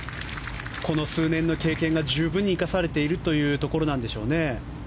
この数年の経験が十分に生かされているというところなんでしょうね。